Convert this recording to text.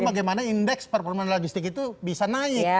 bagaimana indeks performa logistik itu bisa naik